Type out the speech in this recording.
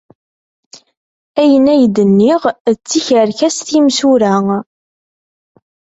Ayen ay d-nniɣ d tikerkas timsura.